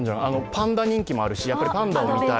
パンダ人気もあるし、パンダを見たい。